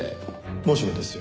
もしもですよ